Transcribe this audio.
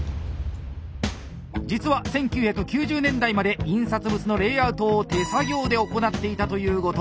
実は１９９０年代まで印刷物のレイアウトを手作業で行っていたという後藤。